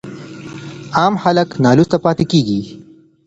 عام خلګ نالوسته پاته کيږي.